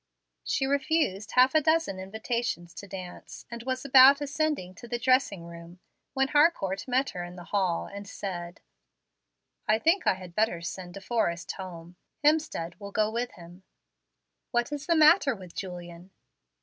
She refused half a dozen invitations to dance, and was about ascending to the dressing room, when Harcourt met her in the hall and said, "I think I had better send De Forrest home. Hemstead will go with him." "What is the matter with Julian?"